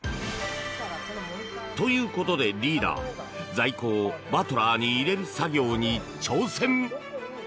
ということで、リーダー在庫をバトラーに入れる作業に挑戦！